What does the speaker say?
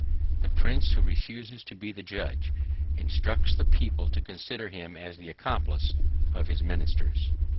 The prince who refuses to be the judge, instructs the people to consider him as the accomplice, of his ministers.